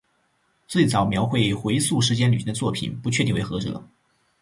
最早描绘回溯时间旅行的作品不确定为何者。